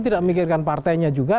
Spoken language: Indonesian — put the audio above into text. tidak memikirkan partainya juga